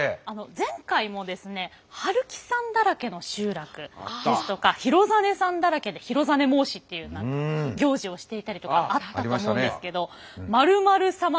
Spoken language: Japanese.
前回もですね春木さんだらけの集落ですとか廣實さんだらけで廣實申しっていう行事をしていたりとかあったと思うんですけど○○サマだらけ。